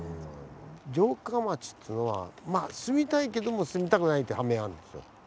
城下町っつうのは住みたいけども住みたくないって反面あるんです。